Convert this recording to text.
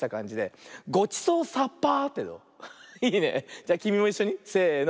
じゃきみもいっしょにせの。